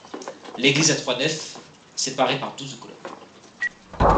L'église a trois nefs, séparées par douze colonnes.